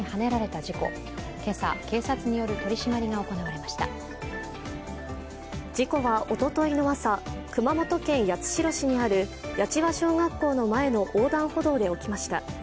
事故はおとといの朝、熊本県八代市にある八千把小学校の前の横断歩道で起きました。